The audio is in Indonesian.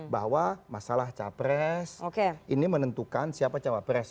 bahwa masalah capres ini menentukan siapa cawapres